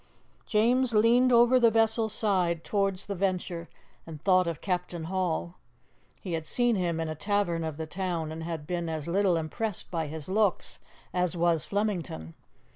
James leaned over the vessel's side towards the Venture, and thought of Captain Hall. He had seen him in a tavern of the town, and had been as little impressed by his looks as was Flemington.